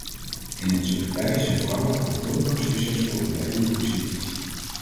In onze partijen zijn vrouwen aantoonbaar succesvol in leidende posities.